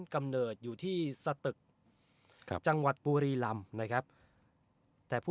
กำเนิดอยู่ที่สตึกครับจังหวัดบุรีลำนะครับแต่ผู้